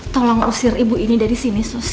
tolong usir ibu ini dari sini